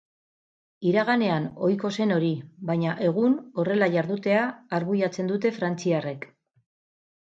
Iraganean ohiko zen hori, baina egun horrela jardutea arbuiatzen dute frantziarrek.